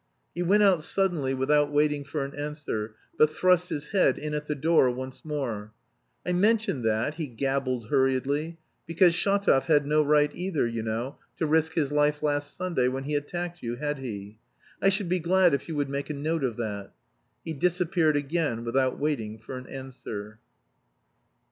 He went out suddenly without waiting for an answer, but thrust his head in at the door once more. "I mention that," he gabbled hurriedly, "because Shatov had no right either, you know, to risk his life last Sunday when he attacked you, had he? I should be glad if you would make a note of that." He disappeared again without waiting for an answer.